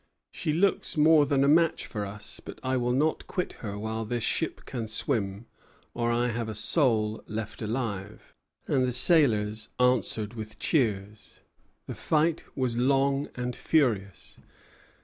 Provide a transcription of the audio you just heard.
"She looks more than a match for us, but I will not quit her while this ship can swim or I have a soul left alive;" and the sailors answered with cheers. The fight was long and furious.